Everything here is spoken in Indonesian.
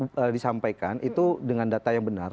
hasil surveinya disampaikan itu dengan data yang benar